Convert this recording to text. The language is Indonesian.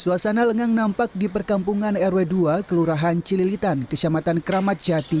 suasana lengang nampak di perkampungan rw dua kelurahan cililitan kecamatan kramat jati